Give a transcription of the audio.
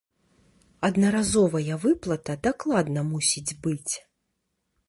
Аднаразовая выплата дакладна мусіць быць.